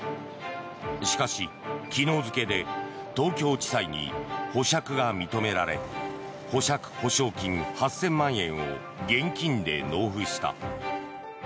しかし、昨日付で東京地裁に保釈が認められ保釈保証金８０００万円を現金で納付した。